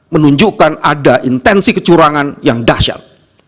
menunjukkan ada intensi kecurangan yang dahsyat